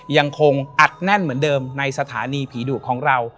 ยังคงอัดแน่นเหมือนเดิมในสถานีผีดุของเรา